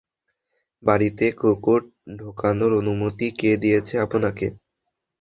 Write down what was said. বাড়িতে কুকুর ঢোকানোর অনুমতি কে দিয়েছে আপনাকে?